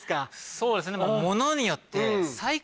そうですね。